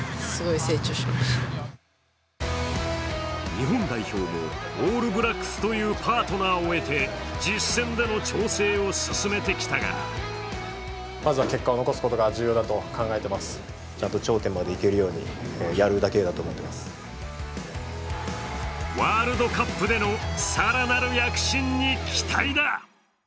日本代表もオールブラックスというパートナーを得て実戦での調整を進めてきたがワールドカップでの更なる躍進に期待だ！